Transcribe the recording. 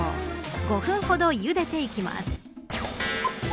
５分ほど、ゆでていきます。